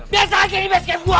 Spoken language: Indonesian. biasa aja ini base camp gue